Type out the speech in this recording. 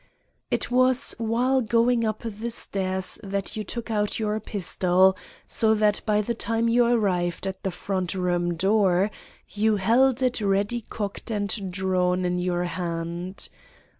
"It was while going up the stairs that you took out your pistol, so that by the time you arrived at the front room door you held it ready cocked and drawn in your hand.